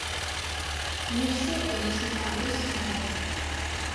ნერსე ერისმთავრის მამა.